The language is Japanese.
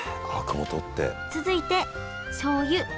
続いてしょうゆみりん